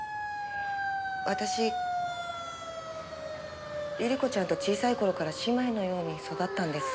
私百合子ちゃんと小さい頃から姉妹のように育ったんです。